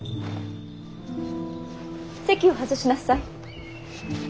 席を外しなさい。